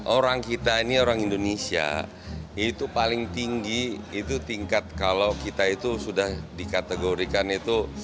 orang kita ini orang indonesia itu paling tinggi itu tingkat kalau kita itu sudah dikategorikan itu